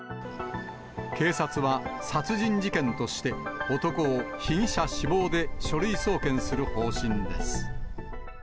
警察は殺人事件として、男を被疑者死亡で書類送検する方針です。